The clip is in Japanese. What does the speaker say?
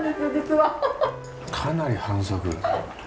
かなり反則。